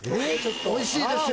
おいしいですよ。